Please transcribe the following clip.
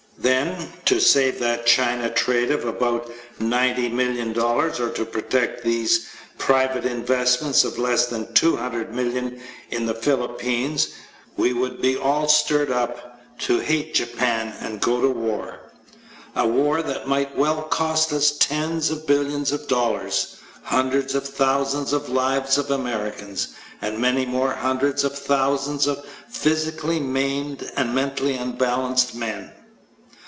Then, to save that China trade of about $90,000,000, or to protect these private investments of less than $200,000,000 in the Philippines, we would be all stirred up to hate Japan and go to war a war that might well cost us tens of billions of dollars, hundreds of thousands of lives of Americans, and many more hundreds of thousands of physically maimed and mentally unbalanced men.